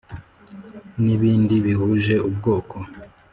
ni bindi bihuje ubwoko